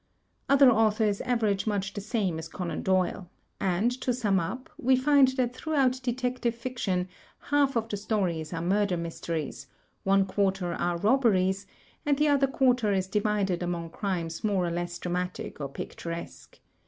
Other authors average much the same as Conan Doyle; and, to siun up, we find that throughout Detective Fiction half of the stories are murder mysteries, one quarter are robberies, and the other quarter is divided among crimes more MURDER IN GENERAL 233 or less dramatic or picturesque.